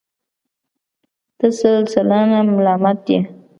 ته سل سلنه ملامت یې.